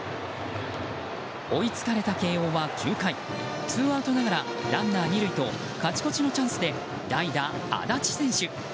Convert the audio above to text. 追いつかれた慶應は９回ツーアウトながらランナー２塁と勝ち越しのチャンスで代打、安達選手。